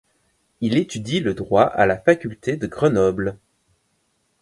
Il étudie le droit à la faculté de Grenoble.